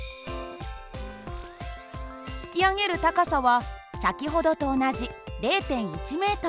引き上げる高さは先ほどと同じ０．１ｍ。